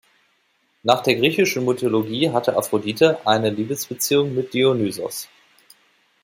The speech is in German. Nach der griechischen Mythologie hatte Aphrodite eine Liebesbeziehung mit Dionysos.